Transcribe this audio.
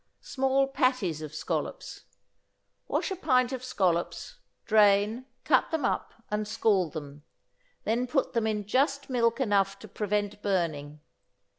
=Small Patties of Scallops.= Wash a pint of scallops, drain, cut them up, and scald them; then put them in just milk enough to prevent burning.